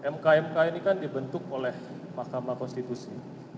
mk mk ini kan dibentuk oleh mahkamah konstitusi